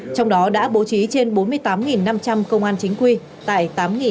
trong đó đã bố trí trên bốn mươi tám năm trăm linh công an chính quy tại tám tám trăm bảy mươi ba